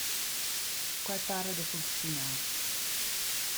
Quai para da funcziunar.